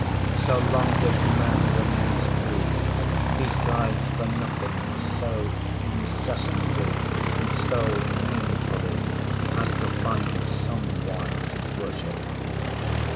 So long as man remains free he strives for nothing so incessantly and so painfully as to find some one to worship.